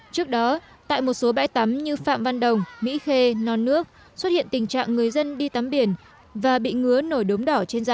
trước đó tại một số bãi tắm như phạm văn đồng mỹ khê non nước xuất hiện tình trạng người dân đi tắm biển và bị ngứa nổi đốm đỏ trên da